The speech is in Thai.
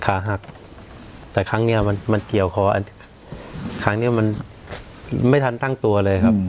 ขาหักแต่ครั้งเนี้ยมันมันเกี่ยวคอครั้งเนี้ยมันไม่ทันตั้งตัวเลยครับ